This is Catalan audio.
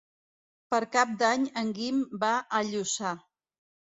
Per Cap d'Any en Guim va a Lluçà.